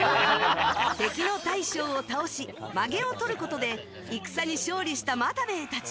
敵の大将を倒しマゲをとることで戦に勝利した又兵衛たち。